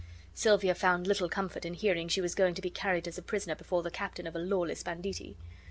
Silvia found little comfort in hearing she was going to be carried as a prisoner before the captain of a lawless banditti.